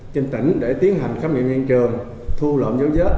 trên tỉnh để tiến hành khám nghiệm hiện trường thu lộn dấu vết